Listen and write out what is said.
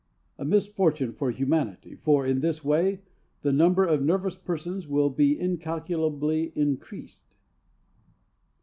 A misfortune for humanity, for, in this way, the number of nervous persons will be incalculably increased."